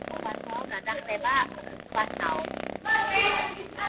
ნუ დასცინი სხვასაო გადახტება სხვასაო